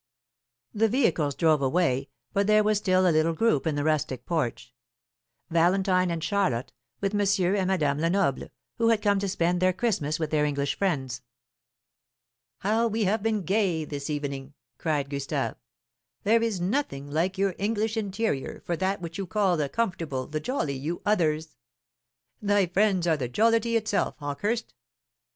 The vehicles drove away, but there was still a little group in the rustic porch. Valentine and Charlotte, with Monsieur and Madame Lenoble, who had come to spend their Christmas with their English friends. "How we have been gay this evening!" cried Gustave. "There is nothing like your English interior for that which you call the comfortable, the jolly, you others. Thy friends are the jollity itself, Hawkehurst.